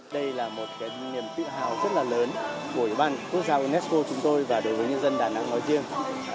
đây là một cái niềm tự hào rất là lớn của bàn quốc gia unesco chúng tôi và đối với nhân dân đà nẵng nói riêng